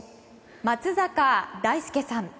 松坂大輔さん。